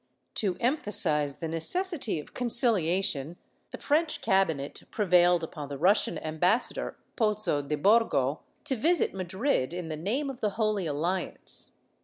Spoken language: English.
To emphasize the necessity of conciliation, the French cabinet prevailed upon the Russian ambassador, Pozzo di Borgo, to visit Madrid, in the name of the Holy Alliance.